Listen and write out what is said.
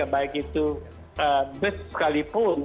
baik itu bus sekalipun